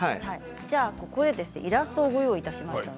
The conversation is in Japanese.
ここでイラストをご用意しました。